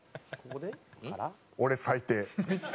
俺最低。